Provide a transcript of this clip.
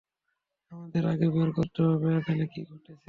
আমাদের আগে বের করতে হবে এখানে কি ঘটেছিল।